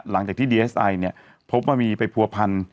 หลังจากที่ดีเอสไอเนี่ยพบว่ามีไปผัวพันธ